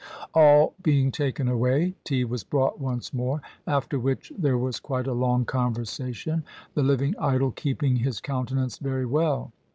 All being taken away, tea was brought once more, after which there was quite a long conversation, the living idol keeping his countenance very well.